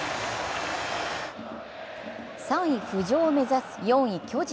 ３位浮上を目指４位、巨人。